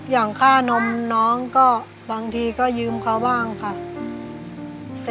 อย่างค่านมน้องก็บางทีก็ยืมเขาบ้างค่ะ